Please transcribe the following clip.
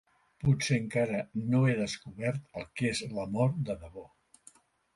Potser encara no he descobert el que és l'amor de debò.